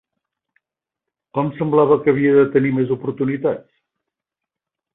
Com semblava que havia de tenir més oportunitats?